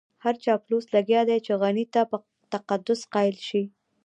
هر چاپلوس لګيا دی چې غني ته په تقدس قايل شي.